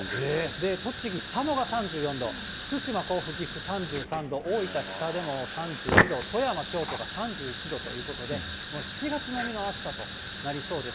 で、栃木・佐野が３４度、福島、甲府、岐阜３３度、大分・日田でも３２度、富山、京都が３１度ということで、もう７月並みの暑さとなりそうです。